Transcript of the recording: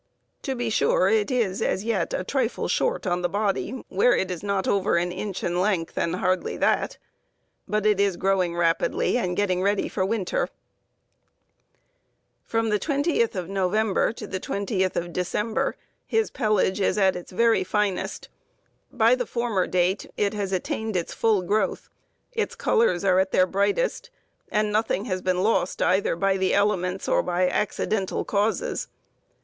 To be sure, it is as yet a trifle short on the body, where it is not over an inch in length, and hardly that; but it is growing rapidly and getting ready for winter. From the 20th of November to the 20th of December the pelage is at its very finest. By the former date it has attained its full growth, its colors are at their brightest, and nothing has been lost either by the elements or by accidental causes.